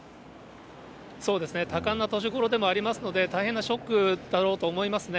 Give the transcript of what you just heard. そうですね、多感な年頃でもありますので、大変なショックだろうと思いますね。